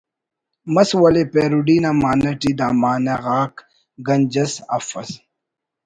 مس ولے پیروڈی نا معنہ ٹی دا معنہ غاک گنج اس افس